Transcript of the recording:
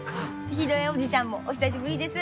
ヒデオ叔父ちゃんもお久しぶりです。